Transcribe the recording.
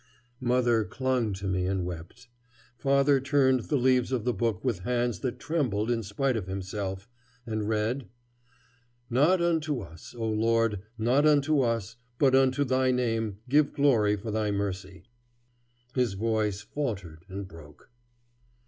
Mother clung to me and wept. Father turned the leaves of the book with hands that trembled in spite of himself, and read: "Not unto us, O Lord, not unto us, but unto Thy name give glory for thy mercy " His voice faltered and broke.